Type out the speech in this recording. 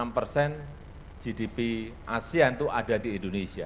enam persen gdp asean itu ada di indonesia